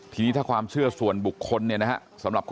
ทีนี้ถ้าความเชื่อส่วนบุคคลเนี่ยนะฮะ